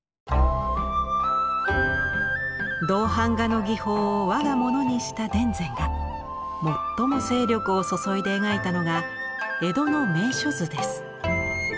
銅版画の技法を我が物にした田善が最も精力を注いで描いたのが江戸の名所図です。